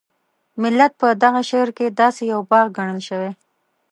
ملت په دغه شعر کې داسې یو باغ ګڼل شوی.